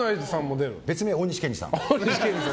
別名、大西賢示さん。